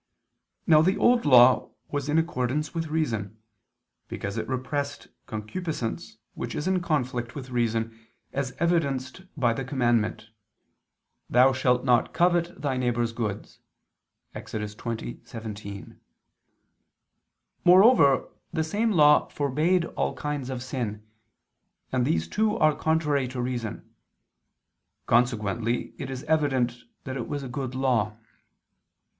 Now the Old Law was in accordance with reason. Because it repressed concupiscence which is in conflict with reason, as evidenced by the commandment, "Thou shalt not covet thy neighbor's goods" (Ex. 20:17). Moreover the same law forbade all kinds of sin; and these too are contrary to reason. Consequently it is evident that it was a good law.